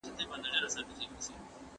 زوړ زمری وو نور له ښکار څخه لوېدلی